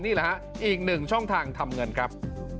นี่แหละฮะอีกหนึ่งช่องทางทำเงินครับ